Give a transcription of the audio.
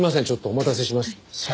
お待たせしました。